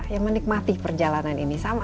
yang menikmati perjalanan ini sama